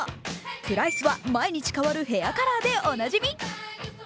プライスは毎日変わるヘアカラーでおなじみ。